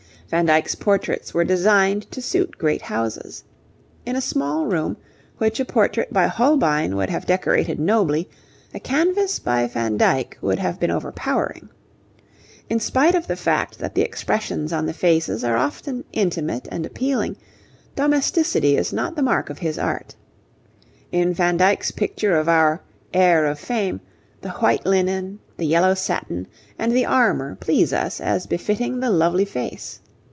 Van Dyck's portraits were designed to suit great houses. In a small room, which a portrait by Holbein would have decorated nobly, a canvas by Van Dyck would have been overpowering. In spite of the fact that the expressions on the faces are often intimate and appealing, domesticity is not the mark of his art. In Van Dyck's picture of our 'heir of fame,' the white linen, the yellow satin, and the armour please us as befitting the lovely face.